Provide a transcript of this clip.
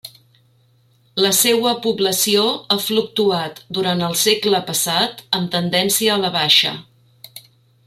La seua població ha fluctuat durant el segle passat amb tendència a la baixa.